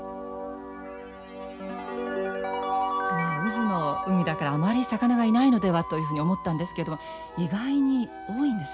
渦の海だからあまり魚がいないのではというふうに思ったんですけれども意外に多いんですね。